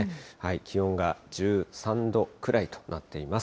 気温が１３度くらいとなっています。